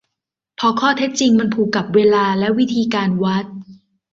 พอข้อเท็จจริงมันผูกกับเวลาและวิธีการวัด